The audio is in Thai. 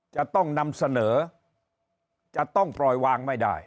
จะต้องนำเสนอจะต้องปล่อยวางไม่ได้